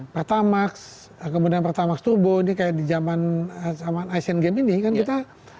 pertamax kemudian pertamax turbo ini kayak di zaman asian games ini kan kita